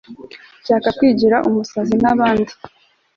nshaka kwigira umusazi nk'abandi